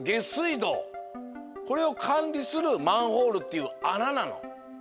どうこれをかんりするマンホールっていうあななの。